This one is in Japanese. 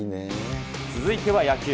続いては野球。